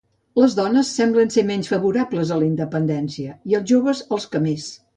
Les dones semblen ser menys favorables a la independència i els joves els que més.